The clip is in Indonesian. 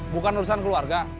bukan urusan keluarga